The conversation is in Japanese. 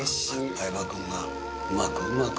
相葉君がうまくうまく。